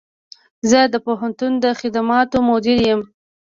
زه د پوهنتون د خدماتو مدیر یم